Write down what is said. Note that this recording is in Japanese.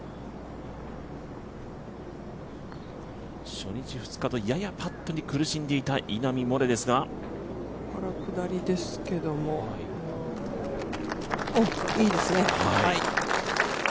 初日、２日とややパットに苦しんでいた稲見萌寧ですがここから下りですけども、いいですね。